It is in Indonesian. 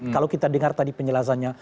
kalau kita dengar tadi penjelasannya